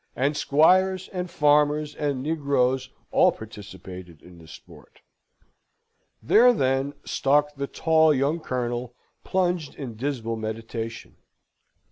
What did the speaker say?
And squires, and farmers, and negroes, all participated in the sport. There, then, stalked the tall young Colonel, plunged in dismal meditation.